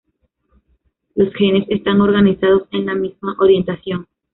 Los genes están organizados en la misma orientación.